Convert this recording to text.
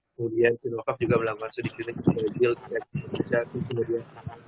kemudian kinova juga melakukan studi klinis di brazil indonesia indonesia